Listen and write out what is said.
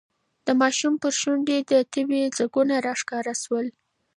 د ماشوم پر شونډو د تبې ځگونه راښکاره شول.